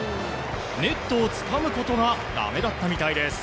ネットをつかむことがだめだったみたいです。